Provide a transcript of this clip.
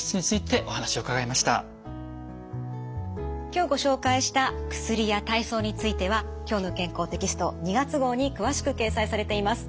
今日ご紹介した薬や体操については「きょうの健康」テキスト２月号に詳しく掲載されています。